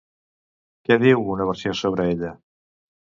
Què diu una versió sobre ells?